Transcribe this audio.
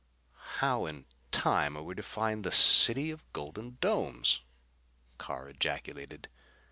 "How in time are we to find this city of golden domes?" Carr ejaculated.